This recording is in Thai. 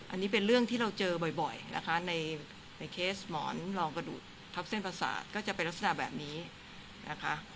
อันนี้เป็นเรื่องที่เราเจอบ่อยนะคะในเคสหมอนรองกระดูกทับเส้นประสาทก็จะเป็นลักษณะแบบนี้นะคะ